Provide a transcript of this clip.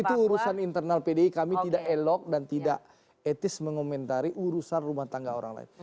itu urusan internal pdi kami tidak elok dan tidak etis mengomentari urusan rumah tangga orang lain